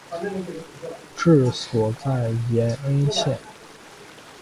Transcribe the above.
治所在延恩县。